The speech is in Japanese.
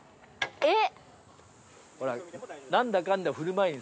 えっ！？